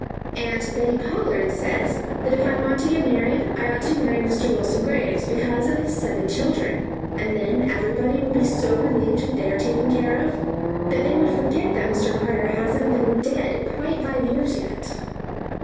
Aunt Bettie Pollard says that if I want to get married I ought to marry Mr. Wilson Graves because of his seven children, and then everybody would be so relieved that they are taken care of, that they would forget that Mr. Carter hasn't been dead quite five years yet.